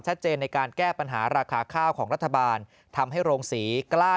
ในการแก้ปัญหาราคาข้าวของรัฐบาลทำให้โรงศรีกล้า